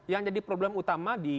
yang jadi problem utama di